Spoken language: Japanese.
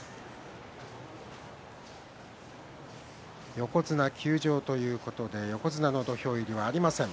横綱休場ということで横綱の土俵入りはありません。